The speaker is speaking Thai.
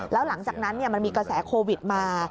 แล้วหลังจากนั้นมันมีกระแสโควิดมา